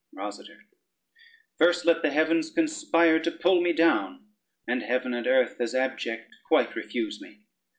ROSADER First let the heavens conspire to pull me down And heaven and earth as abject quite refuse me.